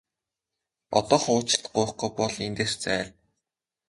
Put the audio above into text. Одоохон уучлалт гуйхгүй бол эндээс зайл!